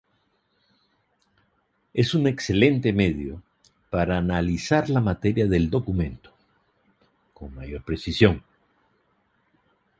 Es un excelente medio para analizar la materia del documento, con mayor precisión.